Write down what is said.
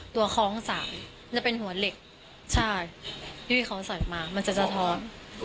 คล้องสามจะเป็นหัวเหล็กใช่พี่เขาใส่มามันจะสะท้อน